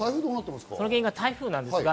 その原因は台風です。